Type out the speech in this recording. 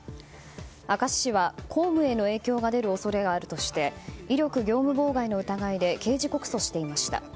明石市は公務への影響が出る恐れがあるとして威力業務妨害の疑いで刑事告訴していました。